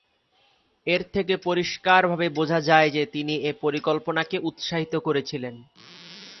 এর থেকে পরিষ্কারভাবে বোঝা যায় যে, তিনি এ পরিকল্পনাকে উৎসাহিত করেছিলেন।